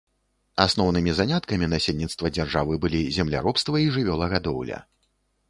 Асноўнымі заняткамі насельніцтва дзяржавы былі земляробства і жывёлагадоўля.